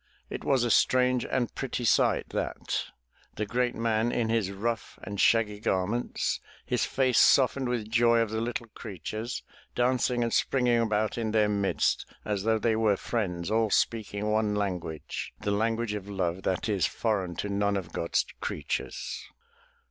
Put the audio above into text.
It was a strange and pretty sight, that! — the great man in his rough and shaggy garments, his face softened with joy of the little creatures, dancing and springing about in their midst, as though they were friends all speaking one language, the language of love that is foreign to none of God's creatures.